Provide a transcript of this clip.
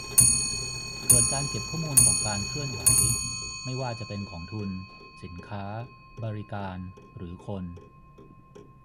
เกิดการเก็บข้อมูลของการเคลื่อนไหวไม่ว่าจะเป็นของทุน สินค้า บริการ หรือคน